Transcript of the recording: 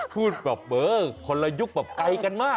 คือแบบคนละยุคแบบไกลกันมาก